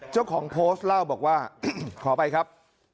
เจ้าของโพสต์เล่าบอกว่าขออภัยครับ